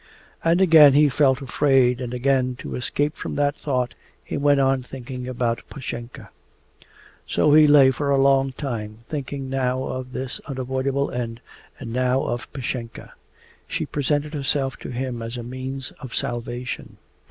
And again he felt afraid, and again, to escape from that thought, he went on thinking about Pashenka. So he lay for a long time, thinking now of his unavoidable end and now of Pashenka. She presented herself to him as a means of salvation.